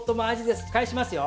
返しますよ。